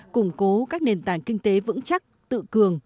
củng cố các nền tảng kinh tế vững chắc tự cường